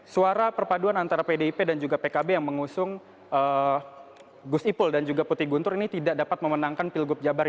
suara perpaduan antara pdip dan juga pkb yang mengusung gus ipul dan juga putih guntur ini tidak dapat memenangkan pilgub jabar